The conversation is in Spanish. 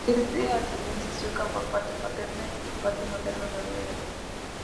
Es de ascendencia sueca por parte paterna y por parte materna noruega y alemana.